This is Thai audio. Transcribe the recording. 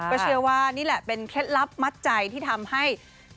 ก็เชื่อว่านี่แหละเป็นเคล็ดลับมัดใจที่ทำให้